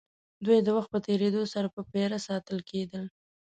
دوی د وخت په تېرېدو سره په پېره ساتل کېدل.